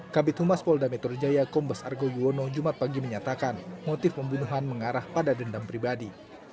kabit humas polda metro jaya kombes argo yuwono jumat pagi menyatakan motif pembunuhan mengarah pada dendam pribadi